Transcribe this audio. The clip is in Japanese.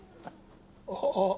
ああ。